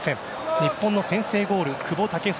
日本の先制ゴール、久保建英。